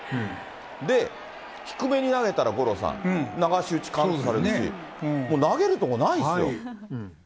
で、低めに投げたら五郎さん、流し打ち簡単にされるし、もう投げるとこないですよ。